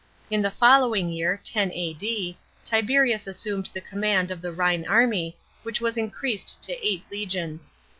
In the following year (10A.D.) Tiberius assumed the command of the Rhine army, which was increased to tight legions.